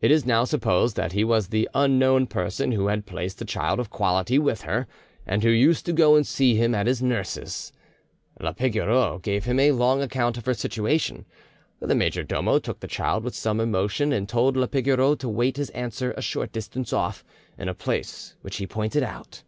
It is now supposed that he was the unknown person who had placed the child of quality with her, and who used to go and see him at his nurse's. La Pigoreau gave him a long account of her situation. The major domo took the child with some emotion, and told la Pigoreau to wait his answer a short distance off, in a place which he pointed out.